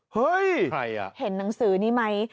เฮ้ยใครอ่ะเห็นหนังสือนี้ไหม